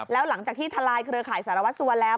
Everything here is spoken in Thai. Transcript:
แล้วหลังจากที่ทลายเครือข่ายสารวัสสัวแล้ว